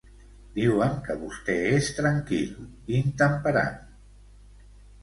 Diuen que vostè és tranquil, intemperant.